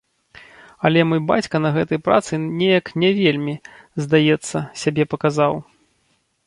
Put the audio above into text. Але мой бацька на гэтай працы неяк не вельмі, здаецца, сябе паказаў.